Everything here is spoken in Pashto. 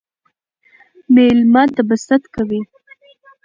ميلمه ته به ست کوئ